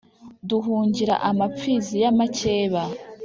duhungira amapfizi y’amakeba,